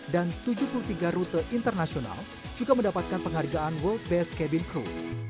dan tujuh puluh tiga rute internasional juga mendapatkan penghargaan world best cabin crew